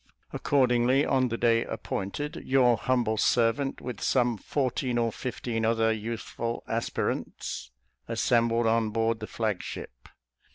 Accordingly, on the day appointed, your humble servant, with some fourteen or fifteen other youthful aspirants, assembled on board the flag ship.